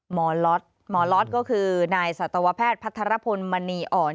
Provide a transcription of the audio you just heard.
หมอล็อตหมอล็อตก็คือนายสัตวแพทย์พัทรพลมณีอ่อน